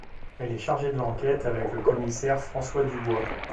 Elle est chargée de l'enquête avec le commissaire François Dubois.